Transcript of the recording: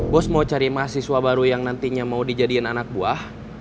bos mau cari mahasiswa baru yang nantinya mau dijadiin anak buah